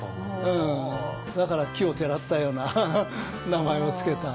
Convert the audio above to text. だから奇をてらったような名前を付けた。